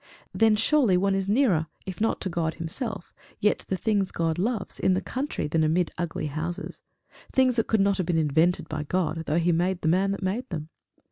Then surely one is nearer, if not to God himself, yet to the things God loves, in the country than amid ugly houses things that could not have been invented by God, though he made the man that made them.